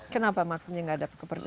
kenapa maksudnya tidak ada kepercayaan